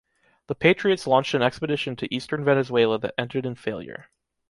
The patriots launched an expedition to eastern Venezuela that ended in failure.